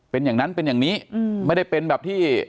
เป็นอย่างนั้นเป็นอย่างนี้ไม่ได้เป็นแบบที่